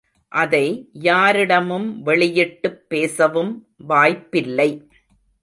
அதை யாரிடமும் வெளியிட்டுப் பேசவும் வாய்ப்பில்லை.